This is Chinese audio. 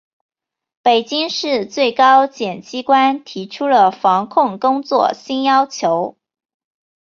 北京市、最高检机关提出了防控工作新要求